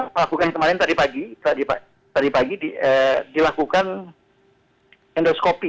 melakukan kemarin tadi pagi tadi pagi dilakukan endoskopi